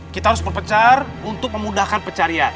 kita harus berpencar untuk memudahkan pencarian